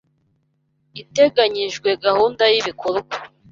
iteganyijwe gahunda y ibikorwa